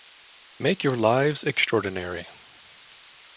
Make your lives extraordinary.